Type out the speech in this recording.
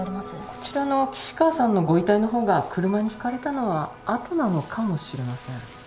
こちらの岸川さんのご遺体の方が車にひかれたのは後なのかもしれません。